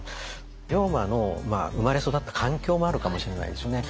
龍馬の生まれ育った環境もあるかもしれないですよね。